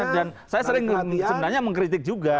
dan saya sering sebenarnya mengkritik juga